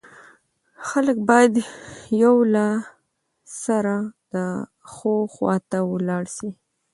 خلک بايد يو له له سره د ښو خوا ته ولاړ سي